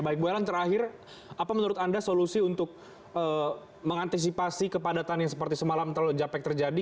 baik bu ellen terakhir apa menurut anda solusi untuk mengantisipasi kepadatan yang seperti semalam terlalu japek terjadi